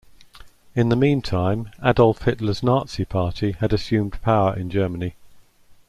In the meantime, Adolf Hitler's Nazi Party had assumed power in Germany.